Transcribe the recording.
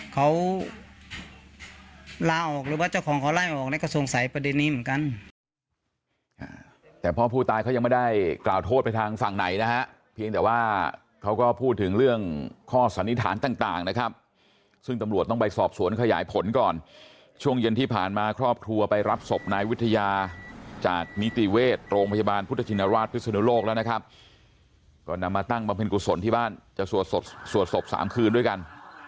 เขาลาออกหรือว่าเจ้าของเขาไล่ออกก็สงสัยประเด็นนี้เหมือนกัน